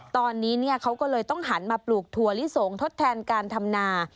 ตอนนี้เขาก็เลยต้องหันมาปลูกถั่วลิสงทดแทนการทำนา